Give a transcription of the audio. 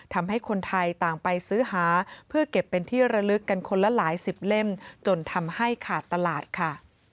ทำให้คนไทยต่างไปซื้อหาเพื่อเก็บเป็นที่ระลึกกันคนละหลายสิบเล่มจนทำให้ขาดตลาดค่ะ